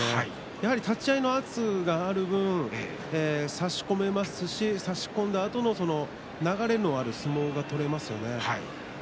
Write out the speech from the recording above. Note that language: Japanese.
やはり立ち合いの圧力がある分差し込めますし差し込んだあとの流れのある相撲が取れますね。